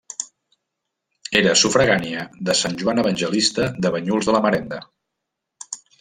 Era sufragània de Sant Joan Evangelista de Banyuls de la Marenda.